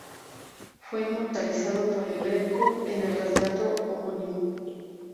Fue inmortalizado por El Greco en el retrato homónimo.